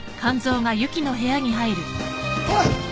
おい！